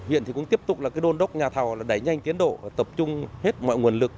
hiện thì cũng tiếp tục là cái đôn đốc nhà thảo là đẩy nhanh tiến độ tập trung hết mọi nguồn lực